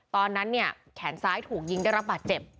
ตอนนั้นเนี่ยแขนซ้ายถูกยิงได้รับบาดเจ็บ